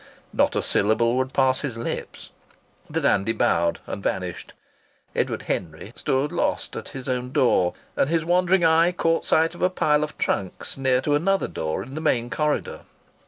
Not a syllable would pass his lips. The dandy bowed and vanished. Edward Henry stood lost at his own door, and his wandering eye caught sight of a pile of trunks near to another door in the main corridor.